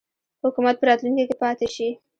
حکومت په راتلونکي کې پاته شي.